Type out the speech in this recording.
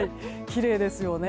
きれいですよね。